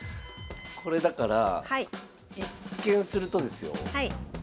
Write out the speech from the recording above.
これだから一見するとですよ